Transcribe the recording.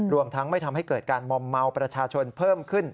รวมทั้งไม่ทำให้เกิดการมอมเมาประชาชนเพิ่มขึ้น